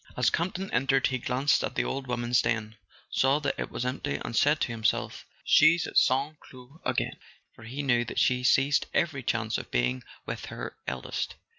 As Campton entered he glanced at the old woman's den, saw that it was empty, and said to himself: "She's at St. Cloud again." For he knew that she seized every chance of being with her eldest.